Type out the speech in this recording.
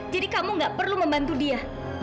jadi kamu nggak perlu membantu dia